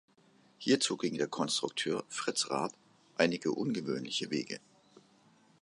Hierzu ging der Konstrukteur Fritz Raab einige ungewöhnliche Wege.